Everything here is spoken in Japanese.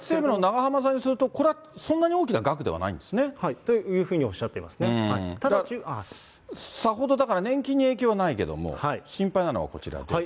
ただ、ながはまさんによると、これはそんなに大きな額ではないというふうにおっしゃっていさほど、だから年金に影響はないけれども、心配なのはこちらです。